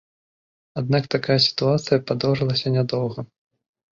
Аднак такая сітуацыя падоўжылася нядоўга.